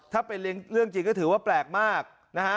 ถ้าเป็นเรื่องจริงก็ถือว่าแปลกมากนะฮะ